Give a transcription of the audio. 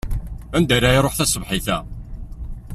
Anda ara iṛuḥ tasebḥit-a?